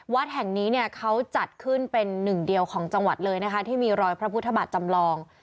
วัดแห่งนี้เนี่ยเขาจัดขึ้นเป็นหนึ่งเดียวของจังหวัดเลยนะคะที่มีรอยพระพุทธบาทจำลอง